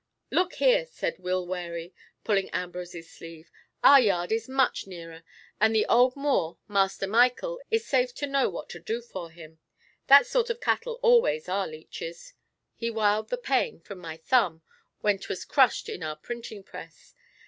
"Look here," said Will Wherry, pulling Ambrose's sleeve, "our yard is much nearer, and the old Moor, Master Michael, is safe to know what to do for him. That sort of cattle always are leeches. He wiled the pain from my thumb when 'twas crushed in our printing press.